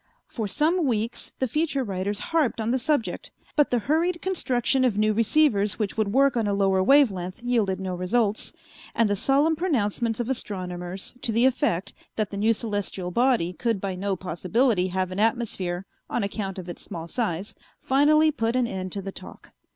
For some weeks the feature writers harped on the subject, but the hurried construction of new receivers which would work on a lower wave length yielded no results, and the solemn pronouncements of astronomers to the effect that the new celestial body could by no possibility have an atmosphere on account of its small size finally put an end to the talk.